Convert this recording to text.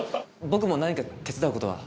僕も何か手伝うことは。